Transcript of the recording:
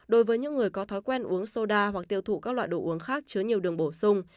đối với những người có thói quen uống xôda hoặc tiêu thụ các loại đồ uống khác chứa nhiều đường bổ sung